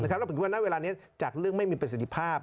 แล้วผมคิดว่าณเวลานี้จากเรื่องไม่มีประสิทธิภาพ